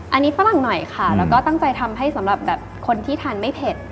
อันนี้ฝรั่งหน่อยค่ะแล้วก็ตั้งใจทำให้สำหรับแบบคนที่ทานไม่เผ็ด